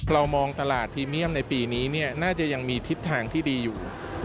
เรามองตลาดพรีเมียมในปีนี้น่าจะยังมีทิศทางที่ดีอยู่